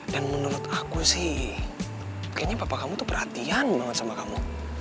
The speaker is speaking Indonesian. dan menurut aku sih kayaknya papa kamu tuh perhatian banget sama kamu